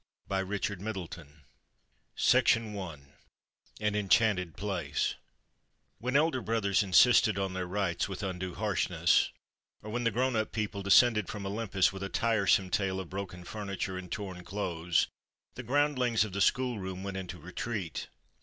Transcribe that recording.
239 The Day Before Yesterday AN ENCHANTED PLACE WHEN elder brothers insisted on their rights with undue harshness, or when the grown up people descended from Olympus with a tiresome tale of broken furniture and torn clothes, the groundlings of the schoolroom went into retreat.